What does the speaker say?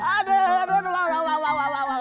aduh aduh aduh bang aduh bang